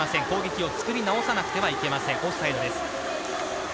攻撃をつくり直さなくてはいけません、オフサイドです。